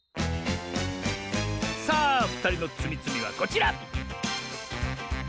さあふたりのつみつみはこちら！